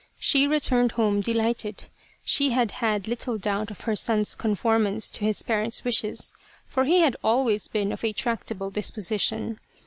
She returned home delighted. She had had little doubt of her son's conformance to his parents' wishes, for he had always been of a tractable disposition.